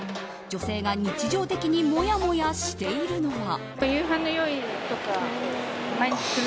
女性が日常的にもやもやしているのは。